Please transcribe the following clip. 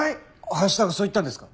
林田がそう言ったんですか？